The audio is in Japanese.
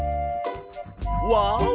わお！